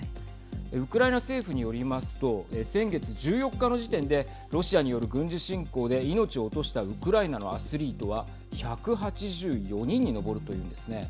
ウクライナ政府によりますと先月１４日の時点でロシアによる軍事侵攻で命を落としたウクライナのアスリートは１８４人に上ると言うんですね。